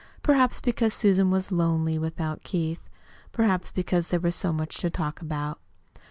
Perhaps because Susan was lonely without Keith. Perhaps because there was so much to talk about.